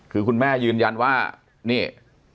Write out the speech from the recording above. คือคุณแม่ยืนยันว่านี่